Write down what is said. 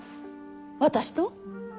私と？